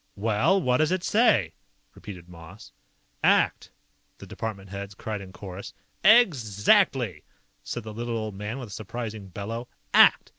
"Well, what does it say?" repeated Moss. "ACT!" The department heads cried in chorus. "Exactly!" said the little old man with a surprising bellow. "ACT!